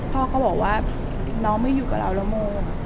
พ่อก็บอกว่าน้องไม่อยู่กับเราแล้วโม